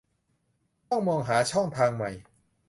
ต้องมองหาช่องทางใหม่